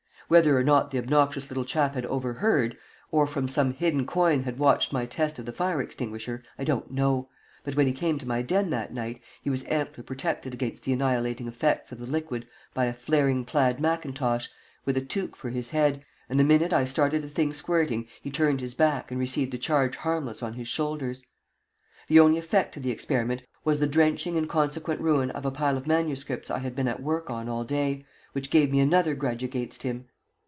Whether or not the obnoxious little chap had overheard, or from some hidden coign had watched my test of the fire extinguisher I don't know, but when he came to my den that night he was amply protected against the annihilating effects of the liquid by a flaring plaid mackintosh, with a toque for his head, and the minute I started the thing squirting he turned his back and received the charge harmless on his shoulders. The only effect of the experiment was the drenching and consequent ruin of a pile of MSS. I had been at work on all day, which gave me another grudge against him.